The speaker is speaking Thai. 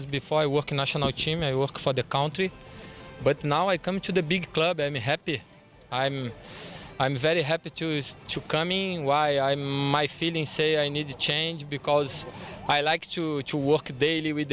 เพราะฉันอยากทำงานกับเพื่อนและรู้สึกเกินไปมากกว่านี้